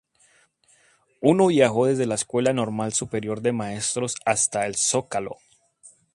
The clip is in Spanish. Uno viajó desde la Escuela Normal Superior de Maestros hasta el Zócalo.